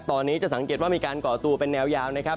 ตอนนี้จะสังเกตว่ามีการก่อตัวเป็นแนวยาวนะครับ